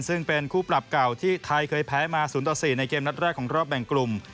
ซึ่งเป็นคู่ปรับเก่าที่ไทยเคยแพ้มา๐ต่อ๔ในเกมนัดแรกของรอบแบ่งกลุ่ม